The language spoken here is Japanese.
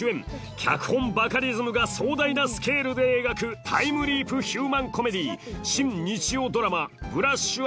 脚本バカリズムが壮大なスケールで描くタイムリープ・ヒューマン・コメディー